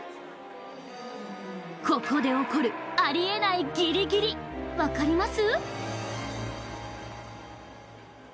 ここで起こるあり得ないギリギリ分かります？